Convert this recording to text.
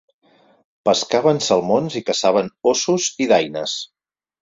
Pescaven salmons i caçaven ossos i daines.